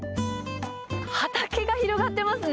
畑が広がってますね。